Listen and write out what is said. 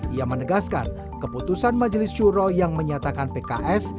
ia menegaskan keputusan majelis juro yang menyatakan pks